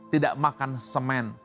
tidak makan semen